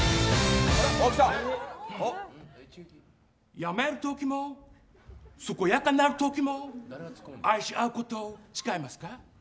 病める時も、健やかなる時も愛し合うことを誓いますか？